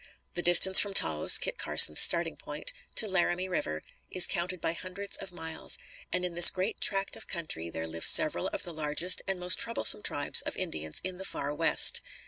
The distance from Taos, Kit Carson's starting point, to Laramie River, is counted by hundreds of miles; and in this great tract of country, there live several of the largest and most troublesome tribes of Indians in the far West.